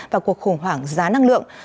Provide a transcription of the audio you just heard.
và cuộc khủng hoảng giá năng lượng